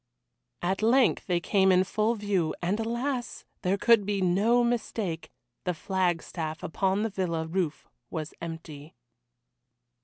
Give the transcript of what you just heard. At length they came in full view, and alas! there could be no mistake, the flagstaff upon the villa roof was empty.